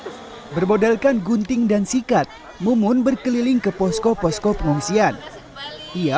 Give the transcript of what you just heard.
hai berbodalkan gunting dan sikat mumun berkeliling ke posko posko pengungsian ia